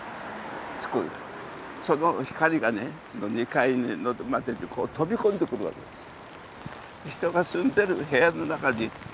その光がね２階まで飛び込んでくるわけですよ。